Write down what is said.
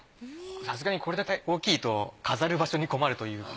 さすがにこれだけ大きいと飾る場所に困るという。